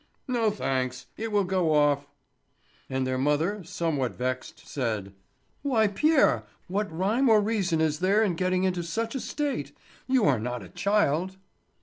"No, thanks, it will go off." And their mother, somewhat vexed, said: "Why, Pierre, what rhyme or reason is there in getting into such a state. You are not a child."